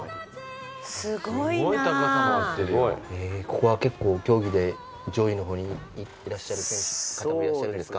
ここは結構競技で上位の方にいらっしゃる方もいらっしゃるんですか？